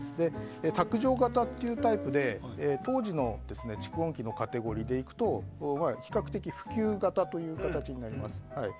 卓上型というタイプで当時の蓄音機のカテゴリーだと比較的普及型という形になります。